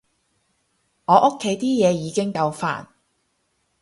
我屋企啲嘢已經夠煩